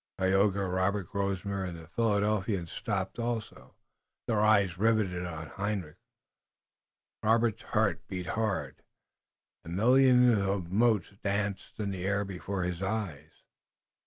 Tayoga, Robert, Grosvenor and the Philadelphians stopped also, their eyes riveted on Hendrik. Robert's heart beat hard, and millions of motes danced in the air before his eyes.